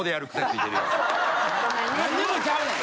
なんでもちゃうねん。